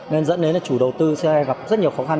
nên dẫn đến là chủ đầu tư sẽ gặp rất nhiều khó khăn